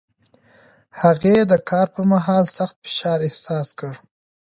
هغې د کار پر مهال سخت فشار احساس کړ.